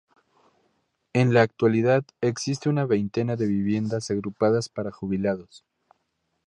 En la actualidad, existe una veintena de viviendas agrupadas para jubilados.